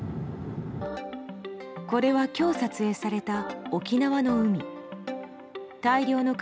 これは今日撮影された沖縄の海。